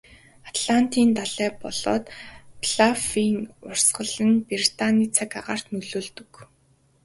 Атлантын далай болоод Галфын урсгал нь Британийн цаг агаарт нөлөөлдөг.